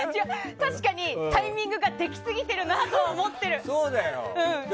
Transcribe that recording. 確かにタイミングができすぎてるなとは思ってる。